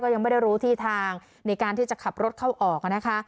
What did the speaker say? ยังไม่ได้รู้ที่ทางในการที่จะขับรถเข้าออกนะคะ